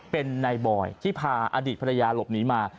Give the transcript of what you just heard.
เป็นนายบอยที่พาอดีตภรรยาหลบหนีมา